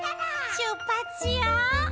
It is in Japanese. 「しゅっぱつしよう！」